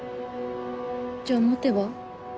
じゃあ持てば？